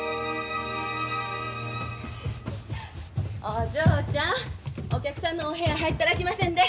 お嬢ちゃんお客さんのお部屋へ入ったらあきませんで。